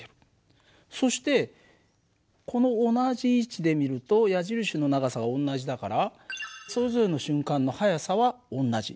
そしてこの同じ位置で見ると矢印の長さは同じだからそれぞれの瞬間の速さは同じ。